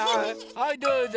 はいどうぞ！